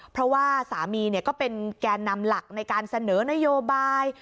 เพราะว่าสามีก็เป็นแก่นำหลักในการเสนอนโยบาย